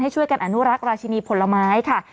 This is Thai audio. ช่วยกันอนุรักษ์ราชินีผลไม้ค่ะ